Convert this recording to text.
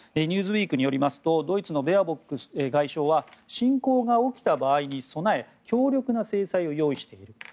「ニューズウィーク」によりますとドイツのベアボック外相は侵攻が起きた場合に備え強力な制裁を用意している。